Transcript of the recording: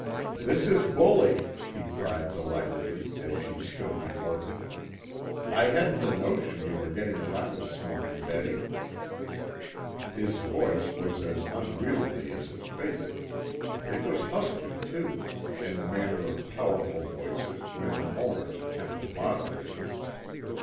"This is bully," he cried delightedly, as she stood before him. "I hadn't a notion you were getting around this morning, Betty." His voice was as unwieldy as his figure; it was husky too, in the manner of powerful voices when their owners attempt to moderate them.